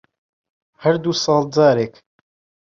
هەر دوو ساڵ جارێک